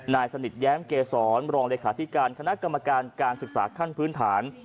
นายสนิทแย้มเกษรรองเลขาธิการคณะกรรมการการศึกษาขั้นพื้นฐาน